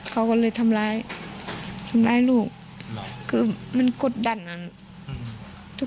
เขาก็เลยทำร้ายทำร้ายลูกคือมันกดดันนั้น